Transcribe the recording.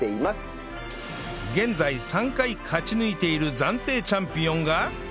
現在３回勝ち抜いている暫定チャンピオンが